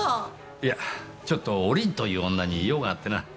いやちょっとおりんという女に用があってな。